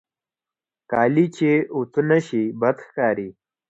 کالي چې اوتو نهشي، بد ښکاري.